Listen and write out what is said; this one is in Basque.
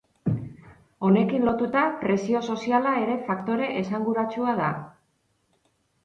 Honekin lotuta presio soziala ere faktore esanguratsua da.